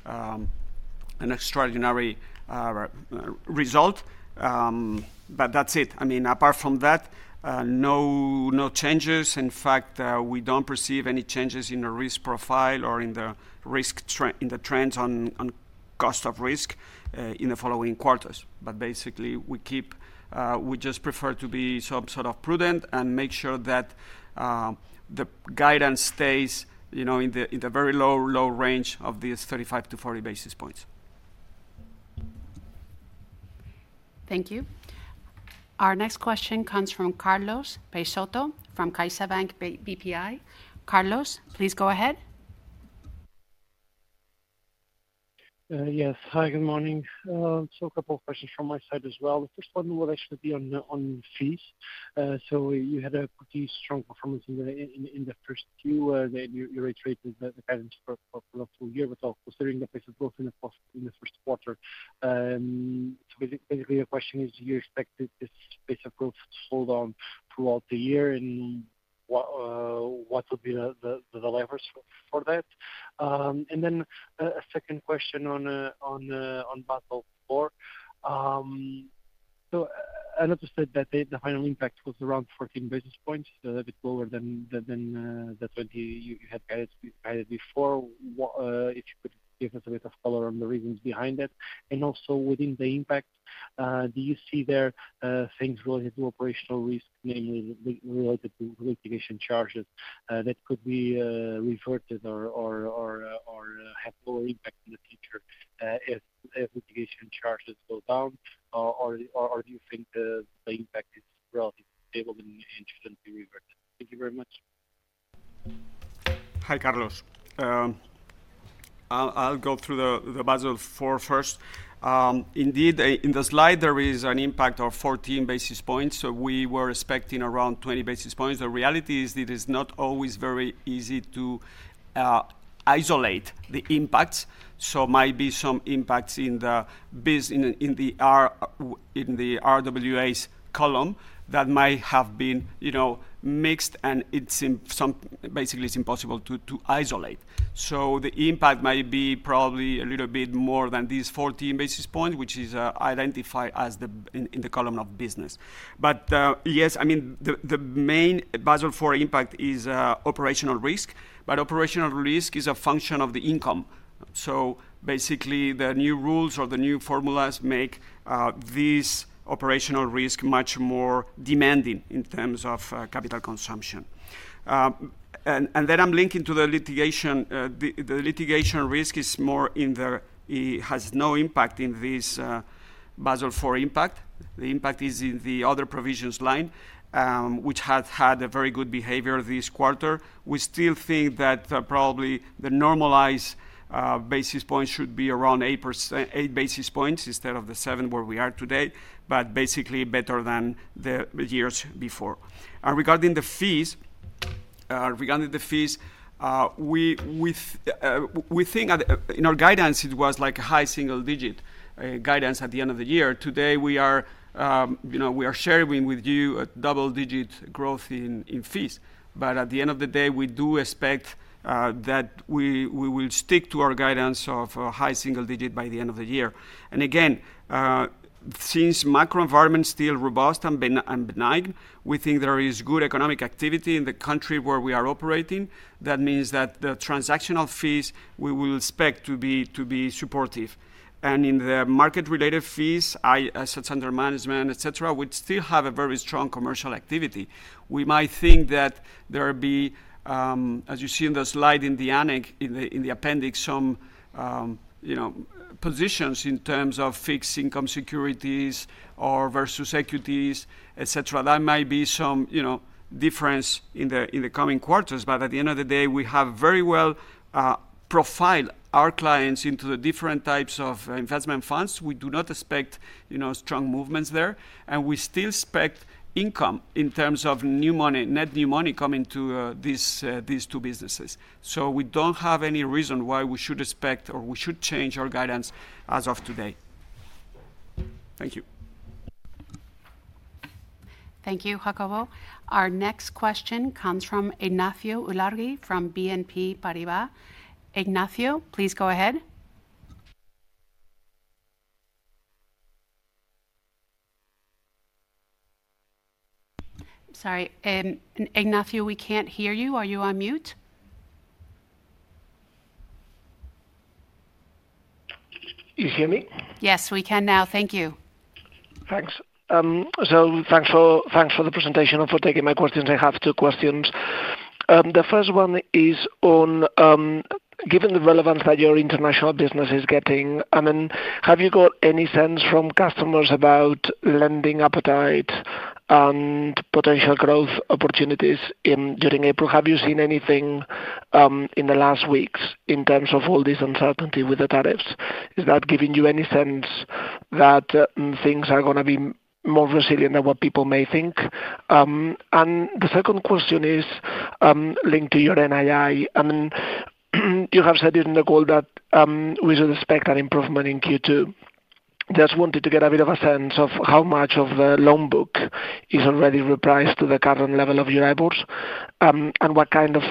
an extraordinary result. That is it. I mean, apart from that, no changes. In fact, we do not perceive any changes in the risk profile or in the trends on cost of risk in the following quarters. Basically, we just prefer to be sort of prudent and make sure that the guidance stays in the very low range of these 35-40 basis points. Thank you. Our next question comes from Carlos Peixoto from CaixaBank BPI. Carlos, please go ahead. Yes. Hi, good morning. A couple of questions from my side as well. The first one would actually be on fees. You had a pretty strong performance in the first [AUDIO DISTORTION] full year, but considering the pace of growth in the first quarter, basically, my question is, do you expect this pace of growth to hold on throughout the year? What would be the levers for that? A second question on Basel IV. I noticed that the final impact was around 14 basis points, a bit lower than the 20 you had guided before. If you could give us a bit of color on the reasons behind that. Also within the impact, do you see there things related to operational risk, namely related to litigation charges, that could be reverted or have lower impact in the future if litigation charges go down? Do you think the impact is relatively stable and should not be reverted? Thank you very much. Hi, Carlos. I'll go through the Basel IV first. Indeed, in the slide, there is an impact of 14 basis points. We were expecting around 20 basis points. The reality is that it is not always very easy to isolate the impacts. There might be some impacts in the RWAs column that might have been mixed, and it is basically impossible to isolate. The impact might be probably a little bit more than these 14 basis points, which is identified in the column of business. Yes, I mean, the main Basel IV impact is operational risk. Operational risk is a function of the income. Basically, the new rules or the new formulas make this operational risk much more demanding in terms of capital consumption. And then I am linking to the litigation. The litigation risk is more in the it has no impact in this Basel IV impact. The impact is in the other provisions line, which has had a very good behavior this quarter. We still think that probably the normalized basis points should be around 8 basis points instead of the 7 where we are today, but basically better than the years before. Regarding the fees, we think in our guidance, it was like a high single-digit guidance at the end of the year. Today, we are sharing with you a double-digit growth in fees. At the end of the day, we do expect that we will stick to our guidance of high single-digit by the end of the year. Again, since the macro environment is still robust and benign, we think there is good economic activity in the country where we are operating. That means that, the transactional fees, we will expect to be supportive. In the market-related fees, assets under management, etc., we'd still have a very strong commercial activity. We might think that there will be, as you see in the slide in the appendix, some positions in terms of fixed income securities versus equities, etc. That might be some difference in the coming quarters, but at the end of the day, we have very well profiled our clients into the different types of investment funds. We do not expect strong movements there. We still expect income in terms of net new money coming to these two businesses, so we do not have any reason why we should expect or we should change our guidance as of today. Thank you. Thank you, Jacobo. Our next question comes from Ignacio Ulargui from BNP Paribas. Ignacio, please go ahead. Sorry. Ignacio, we cannot hear you. Are you on mute? You hear me? Yes, we can now. Thank you. Thanks. Thanks for the presentation and for taking my questions. I have two questions. The first one is, given the relevance that your international business is getting, I mean, have you got any sense from customers about lending appetite and potential growth opportunities during April? Have you seen anything in the last weeks in terms of all this uncertainty with the tariffs? Is that giving you any sense that things are going to be more resilient than what people may think? The second question is linked to your NII. I mean, you have said in the call that we should expect an improvement in Q2. Just wanted to get a bit of a sense of how much of the loan book is already repriced to the current level of Euribors what kind of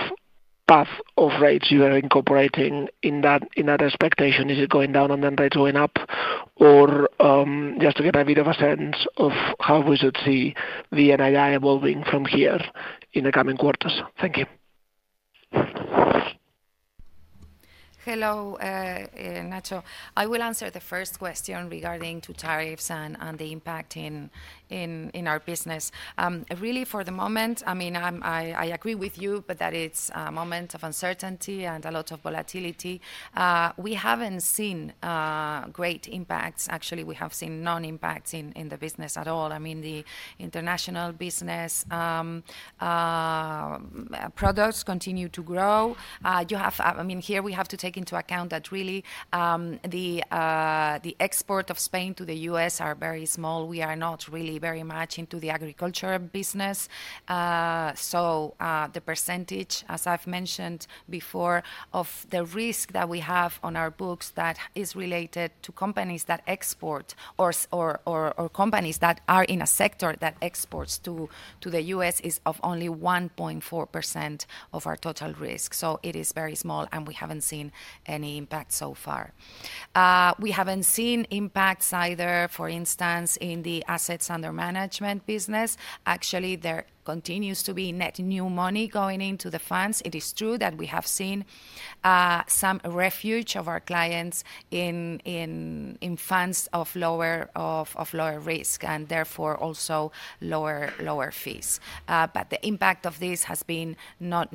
path of rates you are incorporating in that expectation. Is it going down and then rates going up? Just to get a bit of a sense of how we should see the NII evolving from here in the coming quarters. Thank you. Hello, Ignacio. I will answer the first question regarding tariffs and the impact in our business. Really, for the moment, I mean, I agree with you that it's a moment of uncertainty and a lot of volatility. We haven't seen great impacts. Actually, we have seen non-impact in the business at all. I mean, the international business products continue to grow. I mean, here we have to take into account that really the export of Spain to the U.S. are very small. We are not really very much into the agriculture business. The percentage, as I've mentioned before, of the risk that we have on our books that is related to companies that export or companies that are in a sector that exports to the U.S. is of only 1.4% of our total risk. It is very small, and we haven't seen any impact so far. We haven't seen impacts either, for instance, in the assets under management business. Actually, there continues to be net new money going into the funds. It is true that we have seen some refuge of our clients in funds of lower risk and therefore also lower fees. The impact of this has been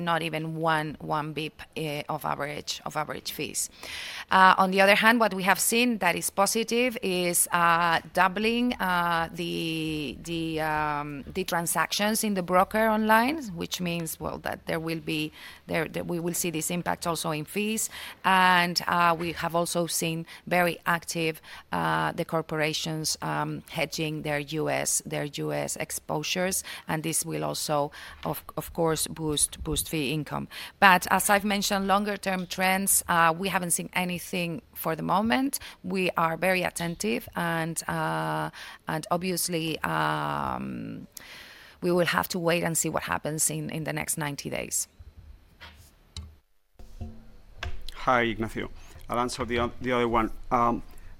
not even 1 basis point of average fees. On the other hand, what we have seen that is positive is doubling the transactions in the broker online, which means, well, that we will see this impact also in fees. We have also seen very active the corporations hedging their U.S. exposures. This will also, of course, boost fee income. As I have mentioned, longer-term trends, we have not seen anything for the moment. We are very attentive. Obviously, we will have to wait and see what happens in the next 90 days. Hi, Ignacio. I will answer the other one.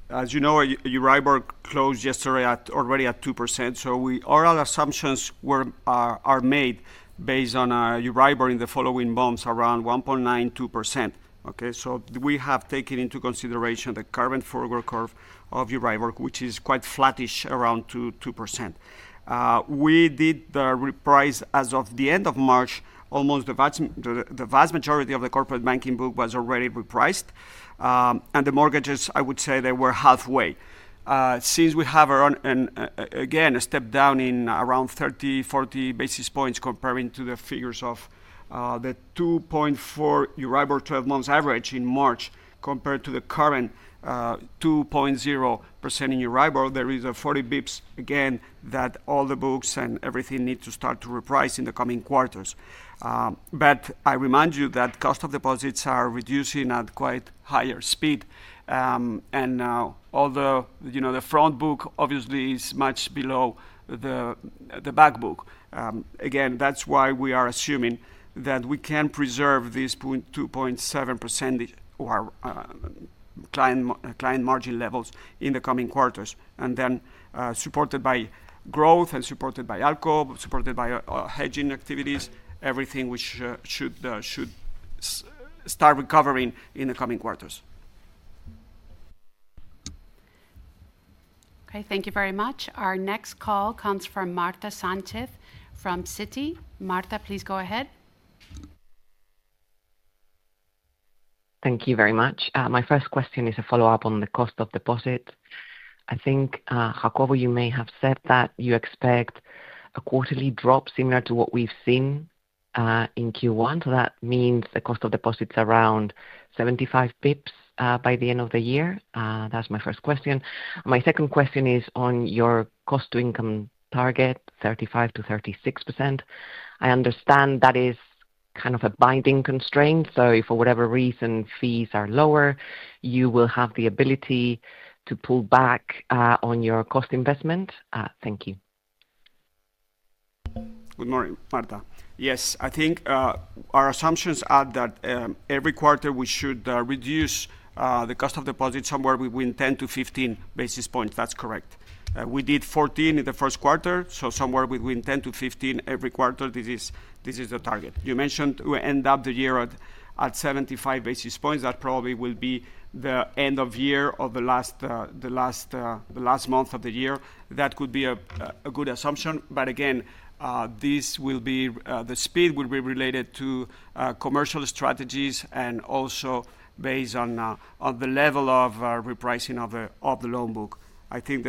As you know, Euribor closed yesterday already at 2%. All our assumptions are made based on Euribor in the following months around 1.92%. Okay? We have taken into consideration the current forward curve of Euribor, which is quite flattish around 2%. We did the reprice as of the end of March, almost the vast majority of the corporate banking book was already repriced. The mortgages, I would say they were halfway. Since we have again a step down in around 30, 40 basis points comparing to the figures of the 2.4% Euribor 12-month average in March compared to the current 2.0% in Euribor, there is a 40 basis points again that all the books and everything need to start to reprice in the coming quarters. I remind you that cost of deposits are reducing at quite higher speed, although the front book obviously is much below the back book. Again, that is why we are assuming that we can preserve this 2.7% client margin levels in the coming quarters. Supported by growth and supported by ALCO, supported by hedging activities, everything should start recovering in the coming quarters. Okay. Thank you very much. Our next call comes from Marta Sanchez from Citi. Marta, please go ahead. Thank you very much. My first question is a follow-up on the cost of deposit. I think, Jacobo, you may have said that you expect a quarterly drop similar to what we have seen in Q1. That means a cost of deposits around 75 basis points by the end of the year. That is my first question. My second question is on your cost-to-income target, 35%-36%. I understand that is kind of a binding constraint. If for whatever reason fees are lower, you will have the ability to pull back on your cost investment. Thank you. Good morning, Marta. Yes, I think our assumptions are that every quarter we should reduce the cost of deposits somewhere between 10-15 basis points. That is correct. We did 14 in the first quarter. Somewhere between 10-15 every quarter, this is the target. You mentioned we end up the year at 75 basis points. That probably will be the end of year or the last month of the year. That could be a good assumption. Again, the speed will be related to commercial strategies and also based on the level of repricing of the loan book. I think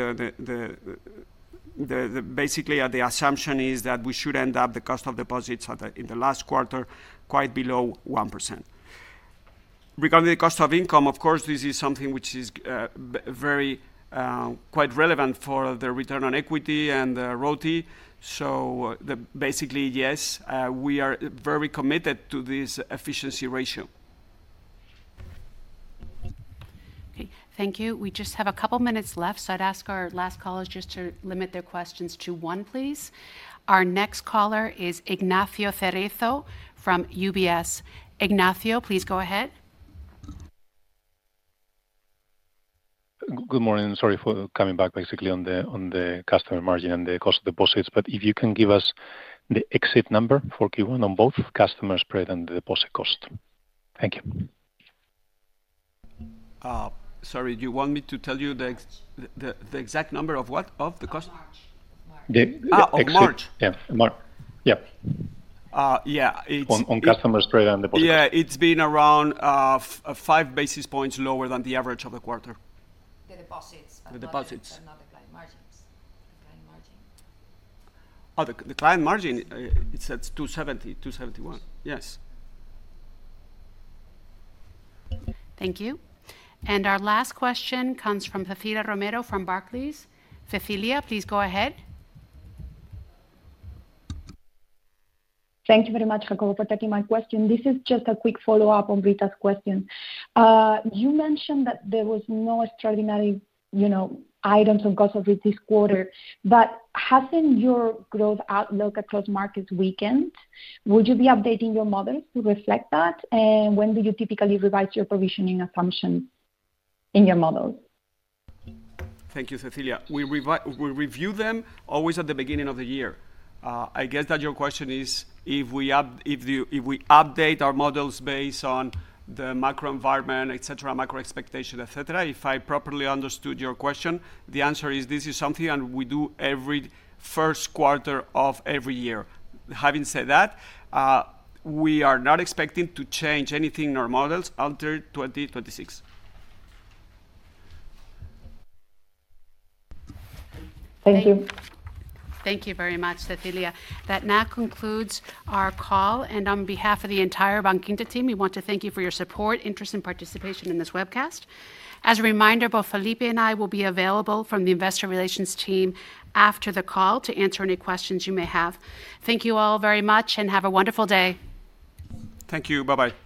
basically the assumption is that we should end up the cost of deposits in the last quarter quite below 1%. Regarding the cost of income, of course, this is something which is quite relevant for the return on equity and ROTE. Basically, yes, we are very committed to this efficiency ratio. Okay. Thank you. We just have a couple of minutes left. I ask our last callers just to limit their questions to one, please. Our next caller is Ignacio Cerezo from UBS. Ignacio, please go ahead. Good morning. Sorry for coming back basically on the customer margin and the cost of deposits. If you can give us the exit number for Q1 on both customer spread and the deposit cost. Thank you. Sorry. Do you want me to tell you the exact number of what, of the cost? The exit, yes. Of March. Yeah. On customer spread and deposits. Yeah. It has been around 5 basis points lower than the average of the quarter. The deposits. The deposits. But not the client margins. The client margin? The client margin, it's at 2.70%, 2.71%. Yes. Thank you. Our last question comes from Cecilia Romero from Barclays. Cecilia, please go ahead. Thank you very much, Jacobo, for taking my question. This is just a quick follow-up on Britta's question. You mentioned that there was no extraordinary items on cost of risk this quarter. Hasn't your growth outlook across markets weakened? Would you be updating your models to reflect that? When do you typically revise your provisioning assumption in your models? Thank you, Cecilia. We review them always at the beginning of the year. I guess that your question is if we update our models based on the macro environment, macro expectation, etc. If I properly understood your question, the answer is this is something we do every first quarter of every year. Having said that, we are not expecting to change anything in our models until 2026. Thank you. Thank you very much, Cecilia. That now concludes our call. On behalf of the entire Bankinter team, we want to thank you for your support, interest, and participation in this webcast. As a reminder, both Felipe and I will be available from the investor relations team after the call to answer any questions you may have. Thank you all very much and have a wonderful day. Thank you. Bye-bye.